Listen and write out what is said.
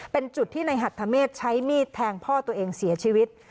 เป็นจุดที่ในหัทธเมฆใช้มีดแทงพ่อตัวเองเสียชีวิต